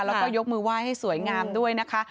แล้วก็ยกมือไหว้ให้สวยงามด้วยนะคะ